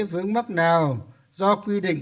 vướng mắc nào do quy định